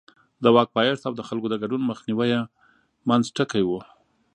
د واک پایښت او د خلکو د ګډون مخنیوی یې منځ ټکی و.